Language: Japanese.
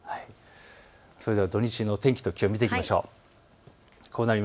それでは土日の天気と気温を見ていきましょう。